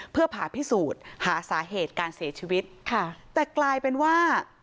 เพื่อผ่าพิสูจน์หาสาเหตุการเสียชีวิตค่ะแต่กลายเป็นว่า